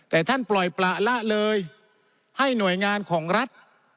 แต่ท่านปล่อยประละเลยให้หน่วยงานของรัฐ